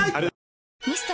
ミスト？